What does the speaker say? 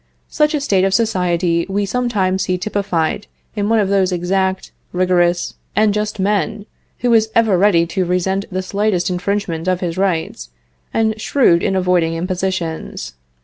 Such a state of society we sometimes see typified in one of those exact, rigorous and just men who is ever ready to resent the slightest infringement of his rights, and shrewd in avoiding impositions.